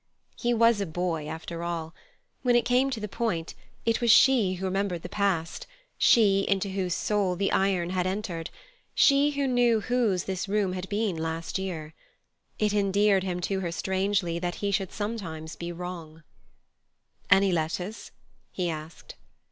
He was a boy after all. When it came to the point, it was she who remembered the past, she into whose soul the iron had entered, she who knew whose room this had been last year. It endeared him to her strangely that he should be sometimes wrong. "Any letters?" he asked.